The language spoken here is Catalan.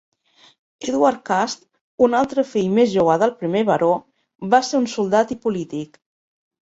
Edward Cust, un altre fill més jove del primer baró, va ser un soldat i polític.